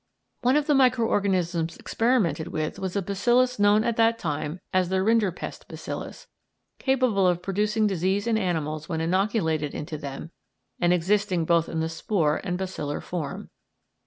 One of the micro organisms experimented with was a bacillus known at that time as the rinderpest bacillus, capable of producing disease in animals when inoculated into them and existing both in the spore and bacillar form.